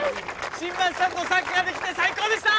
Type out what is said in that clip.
新町さんとサッカーできて最高でした！